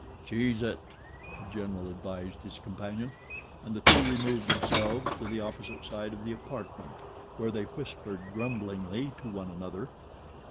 "Cheese it," The General advised his companion; and the two removed themselves to the opposite side of the apartment, where they whispered, grumblingly, to one another.